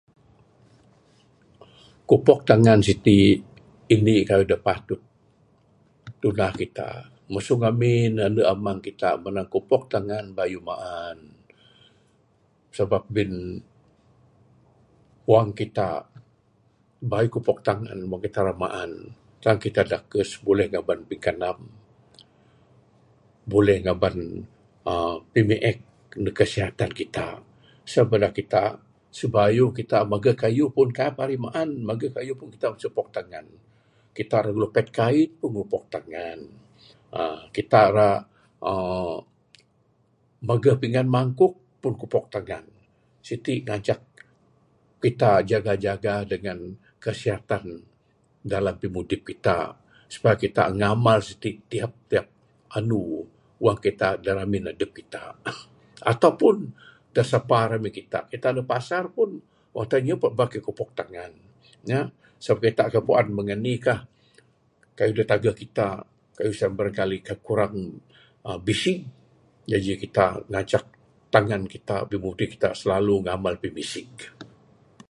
Kupok tangan siti, Indi kayuh da patut tunah kita, masu ngamin ne ande amang kita manang kupok tangan bayuh maan sabab bin wang kita bayuh kupok tangan wang kita ra maan, tangan kita dakes buleh ngaban pingkanam. Buleh ngaban pimiek nakes kesihatan kita sabab bala kita sibayuh kita mageh kayuh pun kaik parih pimaan, mageh kayuh pun kupok tangan, kita ra ngilupet kain pun kupok tangan uhh Kita ra uhh mageh pingan mangkuk pun kupok tangan siti ngancak kita jaga jaga dangan kesihatan dalam pimudip kita supaya kita ngamal siti tiap tiap anu wang kita da ramin adep Kita aaa ato pun da sapa ramin kita. Kita neg pasar pun. Time nyihep aba kaik kupok tangan nya sebab kita kaik puan meng anh kah kayuh da tageh kita . Kayuh sien barangkali kurang bisig, jaji kita ngancak tangan kita pimudip kita silalu ngamal pimisig